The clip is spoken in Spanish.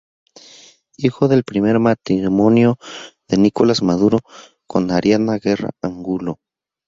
Hijo del primer matrimonio de Nicolás Maduro con Adriana Guerra Angulo.